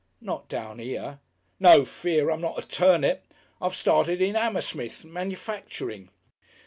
"Not down here?" "No fear! I'm not a turnip. I've started in Hammersmith, manufacturing."